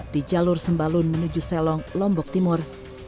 di jalur sembalun menuju selong lombok timur